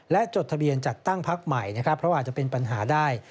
และจดทะเบียนจัดตั้งพักใหม่นะครับเพราะอาจจะเป็นปัญหาได้